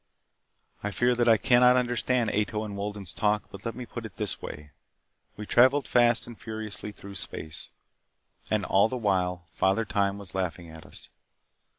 I fear that I cannot understand Ato's and Wolden's talk. But let me put it this way. We traveled fast and furiously through space. And all the while, Father Time was laughing at us.